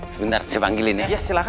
sebentar saya panggilin ya